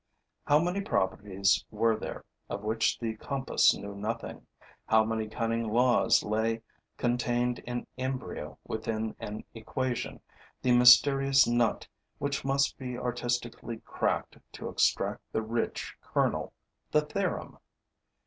How many properties were there of which the compass knew nothing, how many cunning laws lay contained in embryo within an equation, the mysterious nut which must be artistically cracked to extract the rich kernel, the theorem!